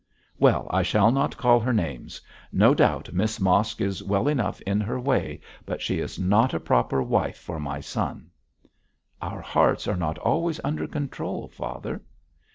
Well, I shall not call her names. No doubt Miss Mosk is well enough in her way, but she is not a proper wife for my son.' 'Our hearts are not always under control, father.'